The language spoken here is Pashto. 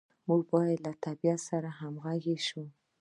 موږ باید له طبیعت سره همغږي شو.